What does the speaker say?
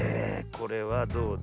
これはどうだ？